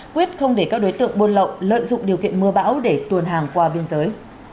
quyết không để các đối tượng buôn lậu lợi dụng điều kiện mưa bão để tuồn hàng qua biên giới